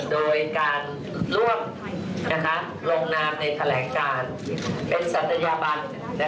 โดยการร่วมลงนามในแถลงการเป็นศัตยบัน